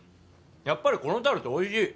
やっぱりこのタルトおいしい。